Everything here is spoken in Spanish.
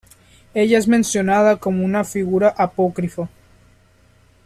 Ella es mencionada como una figura apócrifa.